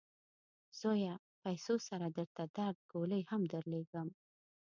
زویه! پیسو سره درته د درد ګولۍ هم درلیږم.